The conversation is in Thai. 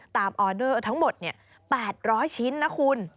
ออเดอร์ทั้งหมด๘๐๐ชิ้นนะคุณ